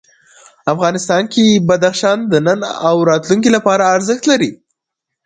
افغانستان کې بدخشان د نن او راتلونکي لپاره ارزښت لري.